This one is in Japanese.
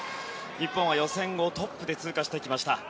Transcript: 日本は予選をトップで通過してきました。